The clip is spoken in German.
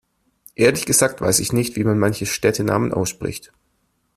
Ehrlich gesagt weiß ich nicht wie man manche Städtenamen ausspricht.